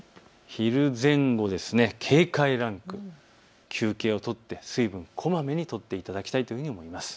昼前後、警戒ランク、休憩を取って水分をこまめにとっていただきたいと思います。